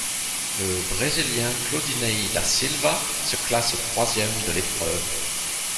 Le Brésilien Claudinei da Silva se classe troisième de l'épreuve.